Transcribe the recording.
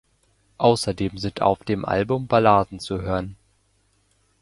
Außerdem sind auf dem Album Balladen zu hören.